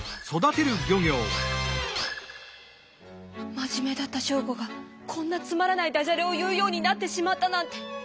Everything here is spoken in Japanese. まじめだったショーゴがこんなつまらないダジャレを言うようになってしまったなんて。